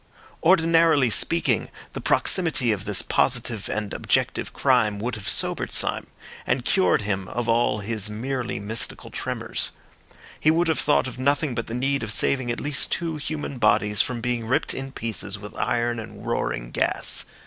Ordinarily speaking, the proximity of this positive and objective crime would have sobered Syme, and cured him of all his merely mystical tremors. He would have thought of nothing but the need of saving at least two human bodies from being ripped in pieces with iron and roaring gas.